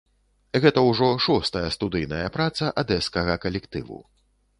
Гэта ўжо шостая студыйная праца адэскага калектыву.